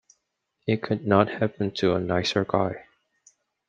It could not happen to a nicer guy.